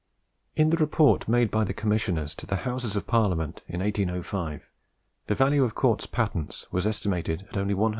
the report made by the commissioners to the Houses of Parliament in 1805, the value of Corts patents was estimated at only 100L.